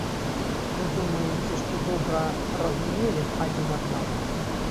Вы думаеце, што добра разумелі б адзін аднаго?